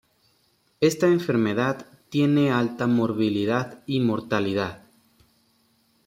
Esta enfermedad tiene una alta morbilidad y mortalidad.